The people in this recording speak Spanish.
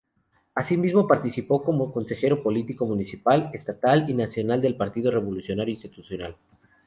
Asimismo participó como consejero político municipal, estatal y nacional del Partido Revolucionario Institucional.